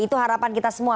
itu harapan kita semua